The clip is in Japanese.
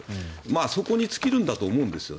そこに尽きるんだと思うんです。